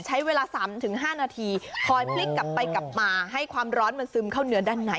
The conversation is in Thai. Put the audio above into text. ใช้เวลา๓๕นาทีคอยพลิกกลับไปกลับมาให้ความร้อนมันซึมเข้าเนื้อด้านใน